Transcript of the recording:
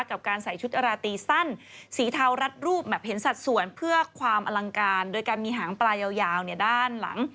กับการใส่ชุดราตีสั้นสีเทารัดรูปแบบเห็นสัดส่วนเพื่อความอลังการโดยการมีหางปลายาวด้านหลัง